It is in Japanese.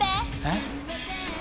えっ？